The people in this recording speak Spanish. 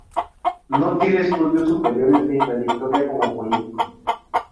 No tiene estudios superiores, ni trayectoria como político.